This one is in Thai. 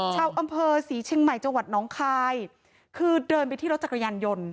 ชาวอำเภอศรีเชียงใหม่จังหวัดน้องคายคือเดินไปที่รถจักรยานยนต์